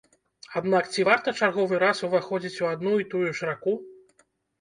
Аднак, ці варта чарговы раз уваходзіць у адну і тую ж раку?